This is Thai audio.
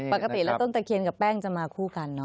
ปกติแล้วต้นตะเคียนกับแป้งจะมาคู่กันเนอ